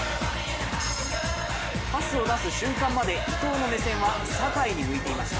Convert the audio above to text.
パスを出す瞬間まで伊藤の目線は酒井に向いていました。